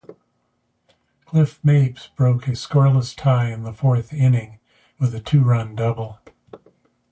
Cliff Mapes broke a scoreless tie in the fourth inning with a two-run double.